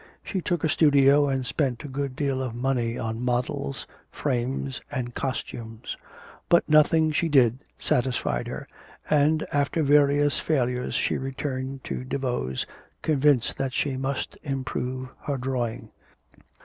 She took a studio and spent a good deal of money on models, frames, and costumes. But nothing she did satisfied her, and, after various failures, she returned to Daveau's, convinced that she must improve her drawing.